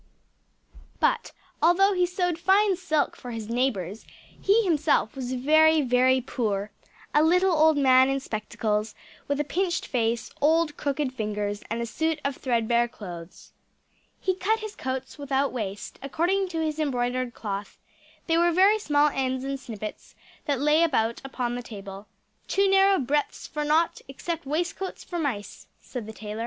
But although he sewed fine silk for his neighbours, he himself was very, very poor a little old man in spectacles, with a pinched face, old crooked fingers, and a suit of thread bare clothes. He cut his coats without waste, according to his embroidered cloth; they were very small ends and snippets that lay about upon the table "Too narrow breadths for nought except waistcoats for mice," said the tailor.